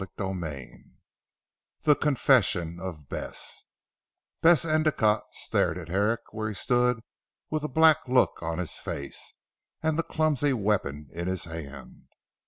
CHAPTER XIV THE CONFESSION OF BESS Bess Endicotte stared at Herrick where he stood with a black look on his face, and the clumsy weapon in his hand.